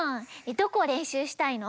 どこをれんしゅうしたいの？